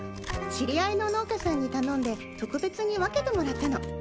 知り合いの農家さんに頼んで特別に分けてもらったの。